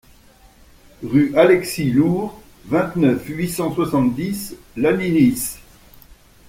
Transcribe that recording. Rue Alexis l'Hourre, vingt-neuf, huit cent soixante-dix Lannilis